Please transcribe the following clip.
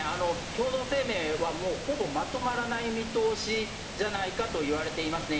共同声明はもう、ほぼまとまらない見通しじゃないかといわれていますね。